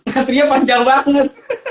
nantinya panjang banget